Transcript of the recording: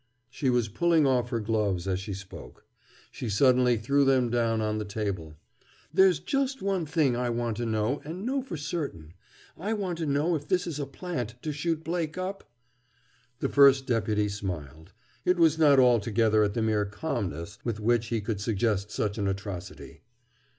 She was pulling off her gloves as she spoke. She suddenly threw them down on the table. "There's just one thing I want to know, and know for certain. I want to know if this is a plant to shoot Blake up?" The First Deputy smiled. It was not altogether at the mere calmness with which she could suggest such an atrocity.